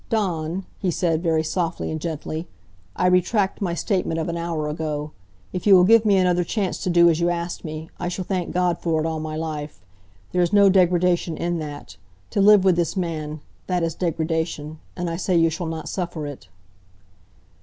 "Dawn," he said, very softly and gently, "I retract my statement of an hour ago. If you will give me another chance to do as you asked me, I shall thank God for it all my life. There is no degradation in that. To live with this man that is degradation. And I say you shall not suffer it."